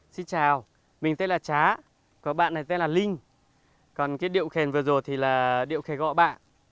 xin chào mình tên là trá có bạn này tên là linh còn cái điệu khen vừa rồi thì là điệu khen gọi bạn